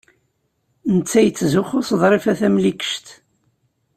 Netta yettzuxxu s Ḍrifa Tamlikect.